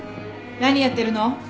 何やってるの？